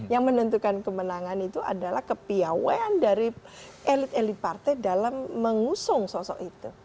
yang menentukan kemenangan itu adalah kepiawaian dari elit elit partai dalam mengusung sosok itu